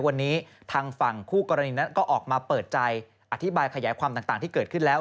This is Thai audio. วันนี้ทางฝั่งคู่กรณีนั้นก็ออกมาเปิดใจอธิบายขยายความต่างที่เกิดขึ้นแล้ว